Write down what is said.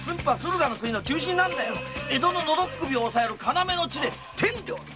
江戸の喉首を押さえる要の地で天領よ。